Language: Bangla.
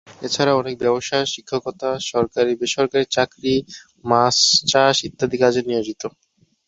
এছাড়াও অনেকে ব্যবসা, শিক্ষকতা, সরকারি-বেসরকারি চাকুরি, মাছ চাষ, ইত্যাদি কাজে নিয়োজিত।